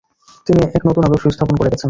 তিনি এক নতুন আদর্শ স্থাপন করে গেছেন।